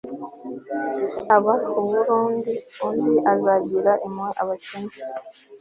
aba awurundira undi uzagirira impuhwe abakene